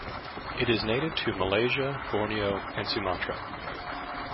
It is native to Malaysia, Borneo, and Sumatra.